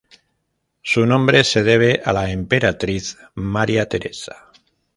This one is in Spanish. Su nombre se debe a la emperatriz María Teresa.